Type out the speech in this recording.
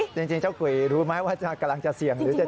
จริงเจ้ากุยรู้ไหมว่ากำลังจะเสี่ยงหรือจะ